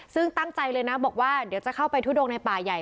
ซึ่งตั้งใจเลยนะบอกว่าเดี๋ยวจะเข้าไปทุดงในป่าใหญ่